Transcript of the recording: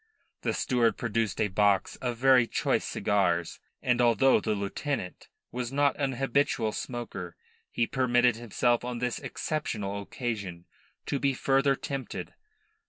The steward produced a box of very choice cigars, and although the lieutenant was not an habitual smoker, he permitted himself on this exceptional occasion to be further tempted.